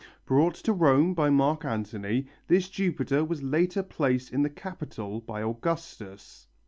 Brought to Rome by Mark Antony, this Jupiter was later placed in the Capitol by Augustus.